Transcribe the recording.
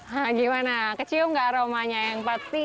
nah gimana kecium gak aromanya yang pasti